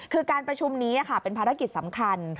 คือการประชุมนี้เป็นภารกิจสำคัญ